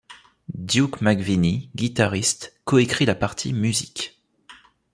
Duke McVinnie, guitariste, coécrit la partie musiques.